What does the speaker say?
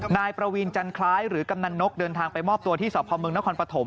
นายประวีนจันคล้ายหรือกำนันนกเดินทางไปมอบตัวที่สพมนครปฐม